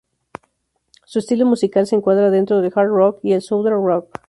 Su estilo musical se encuadra dentro del hard rock y el southern rock.